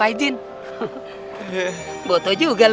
saya belum pernah pergi haji